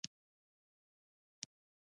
وزې په خاموش طبیعت ګرځي